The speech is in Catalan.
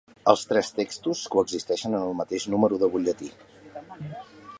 Els tres textos coexisteixen en el mateix número del butlletí.